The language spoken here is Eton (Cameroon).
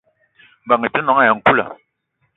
Mbeng i te noong ayi nkoula.